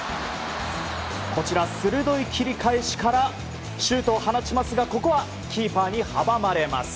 こちら鋭い切り返しからシュートを放ちますがここはキーパーに阻まれます。